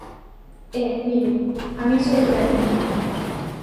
E, mire, a min sorpréndeme.